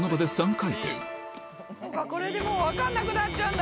これでもう分かんなくなっちゃうんだ。